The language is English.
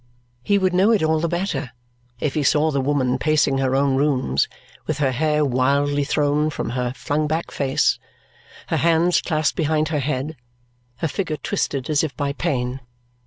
He would know it all the better if he saw the woman pacing her own rooms with her hair wildly thrown from her flung back face, her hands clasped behind her head, her figure twisted as if by pain.